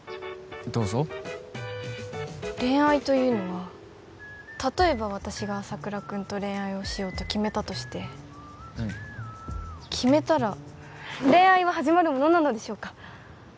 どうぞ恋愛というのは例えば私が朝倉君と恋愛をしようと決めたとしてうん決めたら恋愛は始まるものなのでしょうか？